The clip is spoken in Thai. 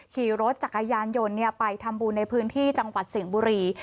ขี่รถจักรยานยนต์ไปทำบุญในพื้นที่จังหวัดสิงห์บุรี